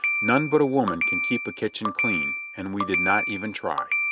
None but a woman can keep a kitchen clean, and we did not even try.